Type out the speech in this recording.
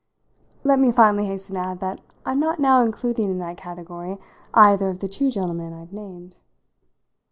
Let me finally hasten to add that I'm not now including in that category either of the two gentlemen I've named."